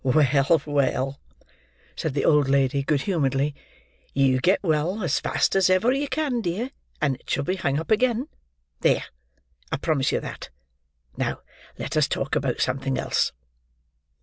"Well, well!" said the old lady, good humouredly; "you get well as fast as ever you can, dear, and it shall be hung up again. There! I promise you that! Now, let us talk about something else."